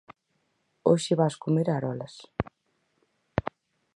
Hoxe vas comer arolas